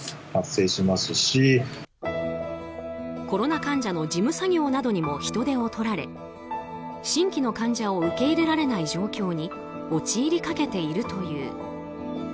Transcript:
コロナ患者の事務作業などにも人手を取られ新規の患者を受け入れられない状況に陥りかけているという。